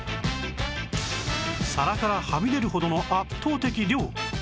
皿からはみ出るほどの圧倒的量